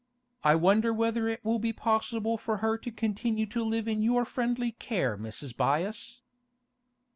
I wonder whether it will be possible for her to continue to live in your friendly care Mrs. Byass?